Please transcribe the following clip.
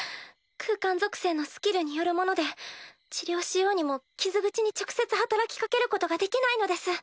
空間属性のスキルによるもので治療しようにも傷口に直接働き掛けることができないのです。